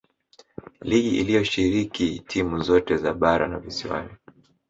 ligi iliyoshirikisha timu zote za bara na visiwani